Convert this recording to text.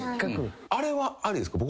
あれはありですか？